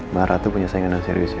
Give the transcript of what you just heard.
bahara tuh punya saingan yang serius ya